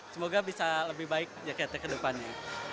semoga bisa lebih baik jakarta ke depannya